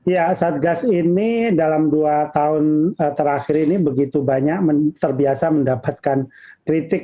ya satgas ini dalam dua tahun terakhir ini begitu banyak terbiasa mendapatkan kritik